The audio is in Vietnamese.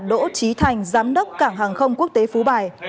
đỗ trí thành giám đốc cảng hàng không quốc tế phú bài